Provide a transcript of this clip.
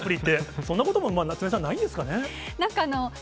そんなことも夏目さん、ないんですかね。